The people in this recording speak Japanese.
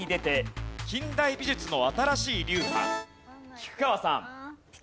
菊川さん。